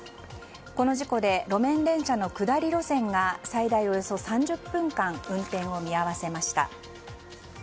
この事故で路面電車の下り路線が最大およそ３０分間運転を見合わせました。